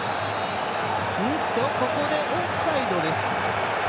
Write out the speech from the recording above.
ここでオフサイドです。